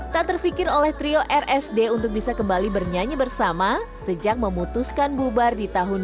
tak terfikir oleh trio rsd untuk bisa kembali bernyanyi bersama sejak memutuskan bubar di tahun dua ribu